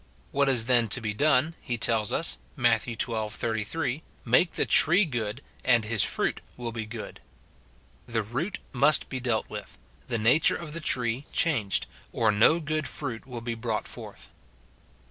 What is then to be done, he tells us, Matt. xii. 33, " Make the tree good, and his fruit will be good." The root must be dealt with, the nature of the tree changed, or no jrood fruit will be brought forth.